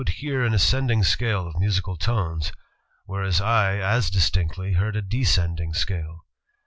. hear an ascending scale of musical tones, whereas I as distinctly heard a descending scale.